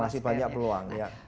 masih banyak peluang